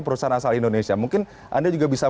perusahaan asal indonesia mungkin anda juga bisa